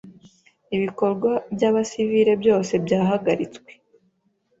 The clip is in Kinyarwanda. ibikorwa by'abasivile byose byahagaritswe